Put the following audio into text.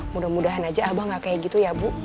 mudah mudahan aja abah gak kayak gitu ya bu